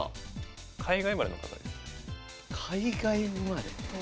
海外生まれ？